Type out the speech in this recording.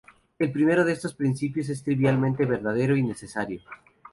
El primero de estos principios es trivialmente verdadero y necesario.